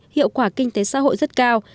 hiệu quả kinh tế xã hội rất cao